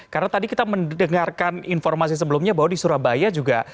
karena tadi kita mendengarkan informasi sebelumnya bahwa di surabaya juga